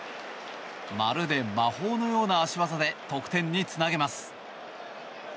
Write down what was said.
まるで魔法のような足技で得点につなげます。